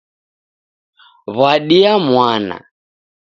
W'adia mwana